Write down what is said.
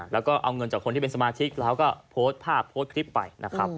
แล้วก็เอาเงินจากคนที่เป็นสมาชิกแล้วก็โพสต์ภาพโพสต์คลิปไปนะครับ